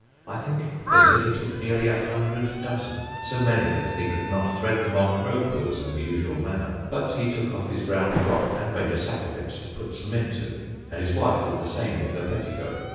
I think they said he took nearly a hundred dozen, so many that they could not thread them on crow quills in the usual manner, but he took off his round frock and made a sack of it to put them into, and his wife did the same with her petticoat.